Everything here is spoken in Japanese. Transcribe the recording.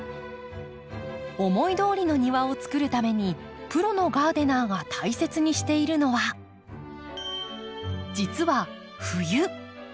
思いどおりの庭をつくるためにプロのガーデナーが大切にしているのは実は冬。